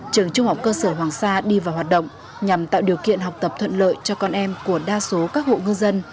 trường trung học cơ sở hoàng sa đi vào hoạt động nhằm tạo điều kiện học tập thuận lợi cho con em của đa số các hộ ngư dân